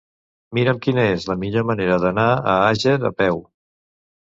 Mira'm quina és la millor manera d'anar a Àger a peu.